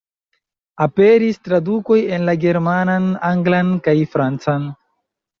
Aperis tradukoj en la germanan, anglan kaj francan.